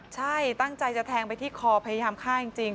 ใช่ตั้งใจจะแทงไปที่คอพยายามฆ่าจริง